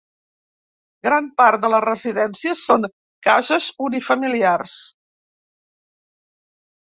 Gran part de les residències són cases unifamiliars.